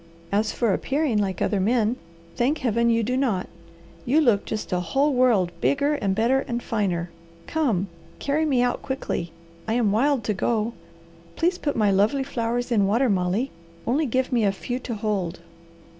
As for appearing like other men, thank Heaven, you do not. You look just a whole world bigger and better and finer. Come, carry me out quickly. I am wild to go. Please put my lovely flowers in water, Molly, only give me a few to hold."